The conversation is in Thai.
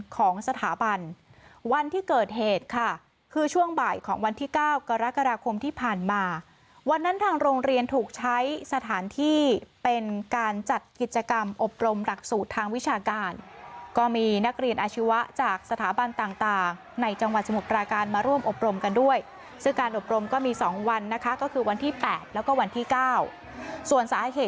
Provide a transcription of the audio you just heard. ของสถาบันวันที่เกิดเหตุค่ะคือช่วงบ่ายของวันที่๙กรกฎาคมที่ผ่านมาวันนั้นทางโรงเรียนถูกใช้สถานที่เป็นการจัดกิจกรรมอบรมหลักสูตรทางวิชาการก็มีนักเรียนอาชีวะจากสถาบันต่างในจังหวัดสมุทรปราการมาร่วมอบรมกันด้วยซึ่งการอบรมก็มี๒วันนะคะก็คือวันที่๘แล้วก็วันที่๙ส่วนสาเหตุ